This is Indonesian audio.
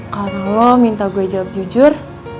kalau minta gue jawab jujur